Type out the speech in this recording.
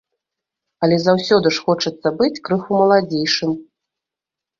Але заўсёды ж хочацца быць крыху маладзейшым.